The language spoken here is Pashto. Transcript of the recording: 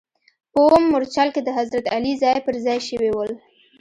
په اووم مورچل کې د حضرت علي ځاې پر ځا ې شوي ول.